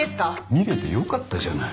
見れてよかったじゃない。